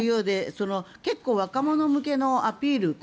結構、若者向けのアピール